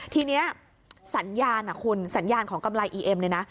ทีนี้สัญญาณคุณสัญญาณของกำไรอีเอ็มเนี่ยนะ